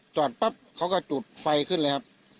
จอดปั๊บเขาก็จุดไฟขึ้นเลยครับ